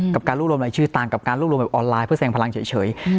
กับการรวบรวมรายชื่อต่างกับการรวบรวมแบบออนไลน์เพื่อแสดงพลังเฉย